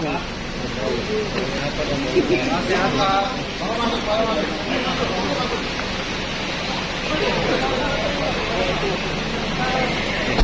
terima kasih pak